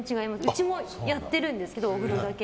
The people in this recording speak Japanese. うちもやってるんですけどお風呂だけ。